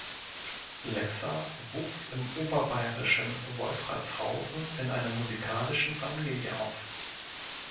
Lexa wuchs im oberbayerischen Wolfratshausen in einer musikalischen Familie auf.